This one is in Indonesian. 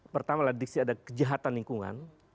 pertama adalah diksi ada kejahatan lingkungan